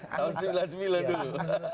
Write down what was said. tahun sembilan puluh sembilan dulu